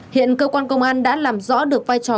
hiện cơ quan công an đã làm rõ được vai trò